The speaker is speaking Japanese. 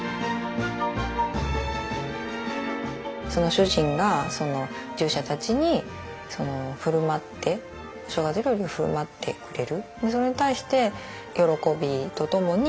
主人が従者たちに振る舞って正月料理を振る舞ってくれる。